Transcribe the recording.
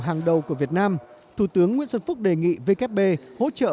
hàng đầu của việt nam thủ tướng nguyễn xuân phúc đề nghị vkp hỗ trợ